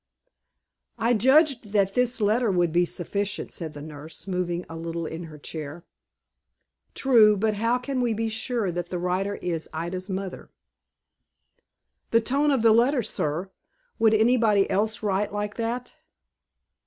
"I judged that this letter would be sufficient," said the nurse; moving a little in her chair. "True; but how can we be sure that the writer is Ida's mother?" "The tone of the letter, sir. Would anybody else write like that?"